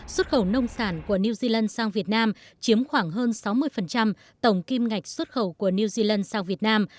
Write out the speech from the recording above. xuất khẩu nông sản của new zealand sang việt nam chiếm khoảng hơn sáu mươi tổng kim ngạch xuất khẩu của new zealand sang việt nam